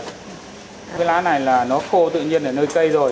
cái lá này là nó khô tự nhiên ở nơi xây rồi